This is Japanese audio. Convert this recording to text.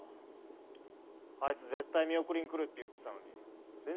あいつ絶対見送りに来るって言ってたのに全然来ないじゃん。